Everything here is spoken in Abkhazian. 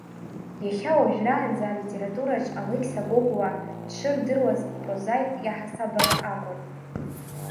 Иахьа уажәраанӡа алитератураҿ Алықьса Гогәуа дшырдыруаз прозаикк иаҳасабала акәын.